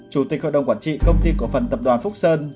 chủ tịch hội đồng quản trị công ty cổ phần tập đoàn phúc sơn